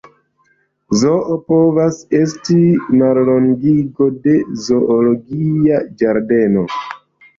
Zoo povas esti mallongigo de "zoologia ĝardeno".